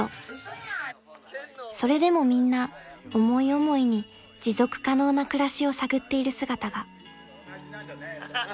［それでもみんな思い思いに持続可能な暮らしを探っている姿が］